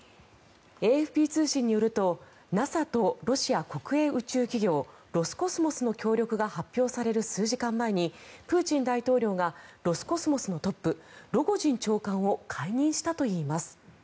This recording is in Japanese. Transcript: ＡＦＰ通信によるとＮＡＳＡとロシア国営宇宙企業ロスコスモスの協力が発表される数時間前にプーチン大統領がロスコスモスのトップロゴジン長官を解任したといいます。